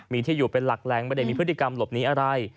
มีที่อยู่เป็นหลักแหล่งไม่ได้มีพฤติกรรมหลบหนีอะไร